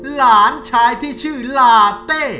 หลานชายที่ชื่อลาเต้